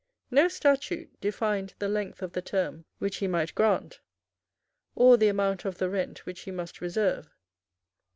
No statute defined the length of the term which he might grant, or the amount of the rent which he must reserve.